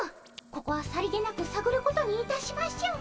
ここはさりげなくさぐることにいたしましょう。